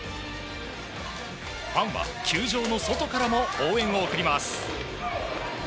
ファンは、球場の外からも応援を送ります。